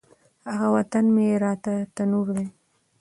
هغه وطن مي راته تنور دی